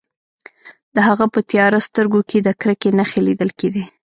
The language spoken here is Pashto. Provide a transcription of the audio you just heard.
د هغه په تیاره سترګو کې د کرکې نښې لیدل کیدې